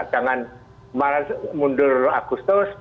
jangan mundur agustus